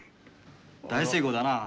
大成功だな。